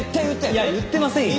いや言ってませんよ。